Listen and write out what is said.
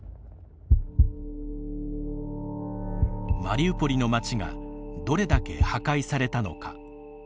マリウポリの町がどれだけ破壊されたのか。